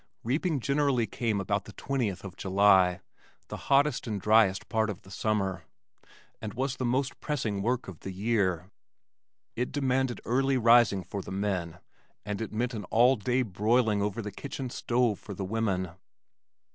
Reaping generally came about the 20th of July, the hottest and dryest part of the summer, and was the most pressing work of the year. It demanded early rising for the men, and it meant an all day broiling over the kitchen stove for the women.